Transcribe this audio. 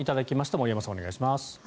森山さん、お願いします。